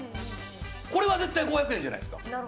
これは絶対５００円じゃないですか。